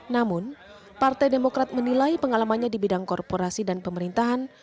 namun partai demokrat menilai pengalamannya di bidang korporasi dan pemerintahan